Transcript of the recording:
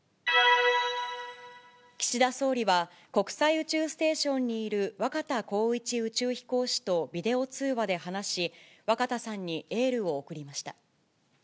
岸田総理は、国際宇宙ステーションにいる若田光一宇宙飛行士とビデオ通話で話し、若田さんにエールを送りました。